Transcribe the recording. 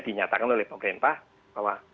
dinyatakan oleh pemerintah bahwa